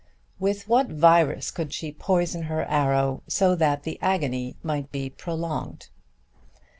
With what virus could she poison her arrow, so that the agony might be prolonged?